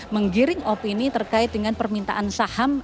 menggiring opini terkait dengan permintaan saham